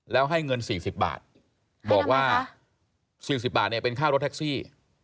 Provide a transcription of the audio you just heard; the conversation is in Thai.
แล้วให้เงิน๔๐บาทบอกว่า๔๐บาทเนี่ยเป็นค่ารถแท็กซี่